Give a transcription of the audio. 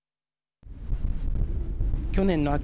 去年の秋